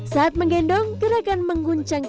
saat menggendong gerakan mengguncang